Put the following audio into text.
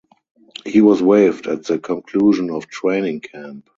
He was waived at the conclusion of training camp.